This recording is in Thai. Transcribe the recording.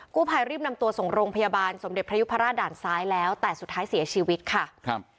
ผู้ภัยรีบนำตัวส่งโรงพยาบาลสมเด็จพระยุพราชด่านซ้ายแล้วแต่สุดท้ายเสียชีวิตค่ะครับ